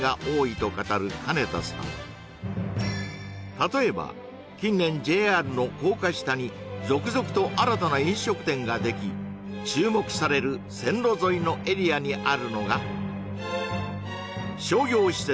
例えば近年ＪＲの高架下に続々と新たな飲食店ができ注目される線路沿いのエリアにあるのが商業施設